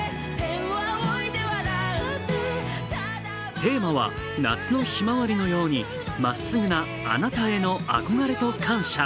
テーマは夏の向日葵のようにまっすぐなあなたへの憧れと感謝。